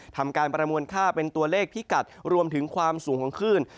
ทำการประมวลค่าเป็นตัวเลขพิกัดรวมถึงความสูงของคลื่น